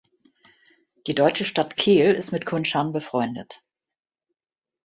Die deutsche Stadt Kehl ist mit Kunshan befreundet.